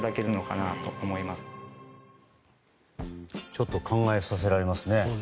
ちょっと考えさせられますね。